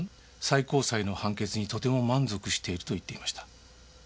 「最高裁の判決にとても満足している」と言っていました。